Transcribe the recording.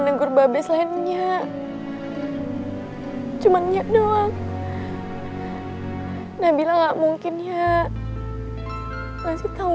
negur babes lainnya cuman nyok doang nabila nggak mungkin ya masih tahu